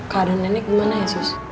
kak dan nenek gimana ya sus